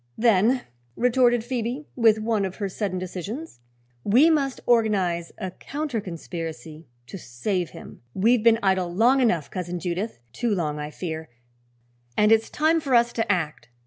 "Then," retorted Phoebe, with one of her sudden decisions, "we must organize a counter conspiracy to save him. We've been idle long enough, Cousin Judith too long, I fear and it's time for us to act."